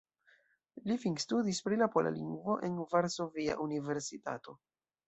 Li finstudis pri la pola lingvo en Varsovia Universitato.